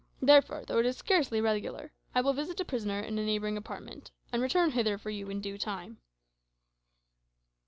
Therefore, though it is scarcely regular, I will visit a prisoner in a neighbouring apartment, and return hither for you in due time."